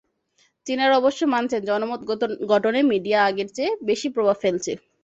চীনারা অবশ্য মানছেন, জনমত গঠনে মিডিয়া আগের চেয়ে বেশি প্রভাব ফেলছে।